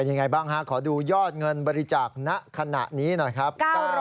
ยังไงบ้างฮะขอดูยอดเงินบริจาคณะขณะนี้หน่อยครับ